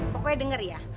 pokoknya denger ya